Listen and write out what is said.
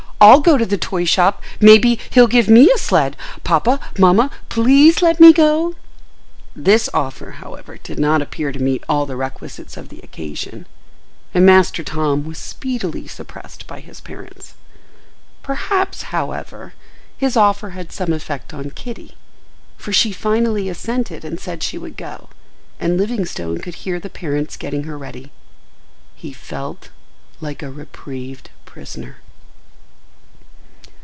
I'll go to the toy shop. Maybe, he'll give me a sled. Papa, mamma, please let me go." This offer, however, did not appear to meet all the requisites of the occasion and Master Tom was speedily suppressed by his parents. Perhaps, however, his offer had some effect on Kitty, for she finally assented and said she would go, and Livingstone could hear the parents getting her ready. He felt like a reprieved prisoner.